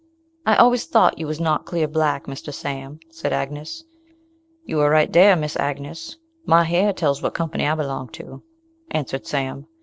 "I always thought you was not clear black, Mr. Sam," said Agnes. "You are right dahr, Miss Agnes. My hare tells what company I belong to," answered Sam.